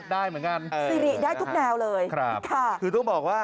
ได้เหมือนกันสิริได้ทุกแนวเลยครับค่ะคือต้องบอกว่า